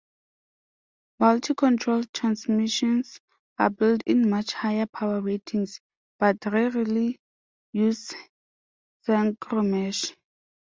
Multi-control transmissions are built in much higher power ratings, but rarely use synchromesh.